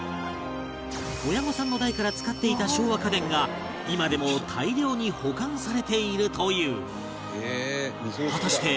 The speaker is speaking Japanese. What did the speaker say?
親御さんの代から使っていた昭和家電が今でも大量に保管されているという